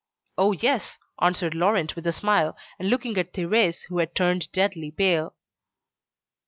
"Oh! yes," answered Laurent with a smile, and looking at Thérèse, who had turned deadly pale.